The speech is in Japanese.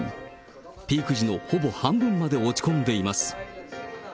ピーク時のほぼ半分にまで落ち込んでいます。